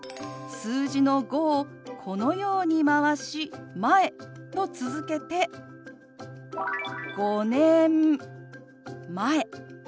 数字の「５」をこのように回し「前」と続けて「５年前」と表します。